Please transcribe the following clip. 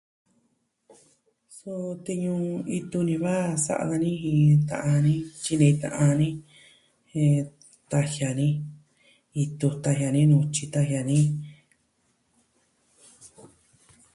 Su tiñu itu ni va sa'a dani jin ta'an ni tyi ni ka'an ni. Jen tajia ni itu, tajia ni nutyi, tajia ni.